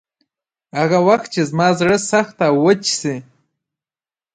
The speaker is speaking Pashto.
هغه وخت چې زما زړه سخت او وچ شي.